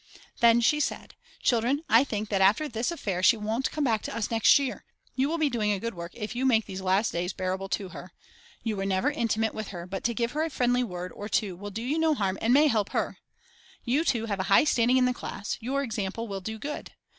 Then she said: Children I think that after this affair she won't come back to us next year; you will be doing a good work if you make these last days bearable to her. You were never intimate with her, but to give her a friendly word or two will do you no harm and may help her. You 2 have a high standing in the class; your example will do good.